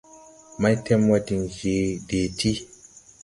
Maytemwa diŋ je dee ti.